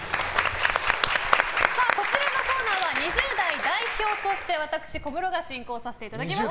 こちらのコーナーは２０代代表として私小室が進行させていただきます。